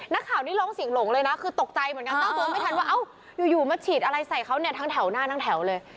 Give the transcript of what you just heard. นักข่าวนี้ร้องเสียงหลงเลยนะคือตกใจเหมือนกันตั้งตัวไม่ทันว่าเอ้าอยู่มาฉีดอะไรใส่เขาเนี่ยทั้งแถวหน้าทั้งแถวเลย